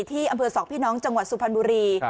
ที่อำเภอสองพี่น้องจังหวัดสุพรรณบุรี